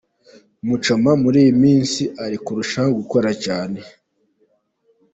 Muchoma muri iyi minsi ari kurushaho gukora cyane.